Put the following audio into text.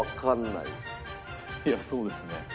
いやそうですね。